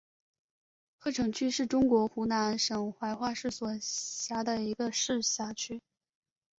鹤城区是中国湖南省怀化市所辖的一个市辖区。